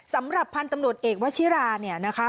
สำหรับพันธุ์ตำรวจเอกวชิราเนี่ยนะคะ